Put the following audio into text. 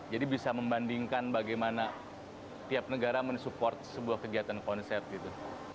jadi bisa membandingkan bagaimana tiap negara men support sebuah kegiatan konser gitu